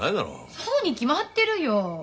そうに決まってるよ。